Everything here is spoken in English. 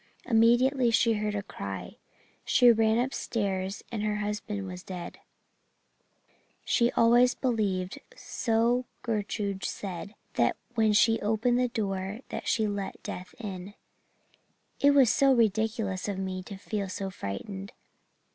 Immediately she heard a cry. She ran upstairs and her husband was dead. And she always believed, so Gertrude said, that when she opened that door she let Death in. "It was so ridiculous of me to feel so frightened.